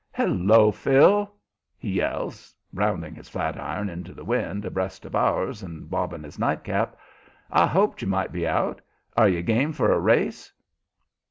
"Hello, Phil!" he yells, rounding his flat iron into the wind abreast of ours and bobbing his night cap. "I hoped you might be out. Are you game for a race?"